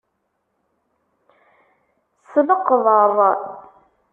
S leqdeṛ!